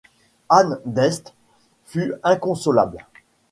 Anne d'Este fut inconsolable.